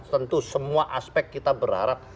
tentu semua aspek kita berharap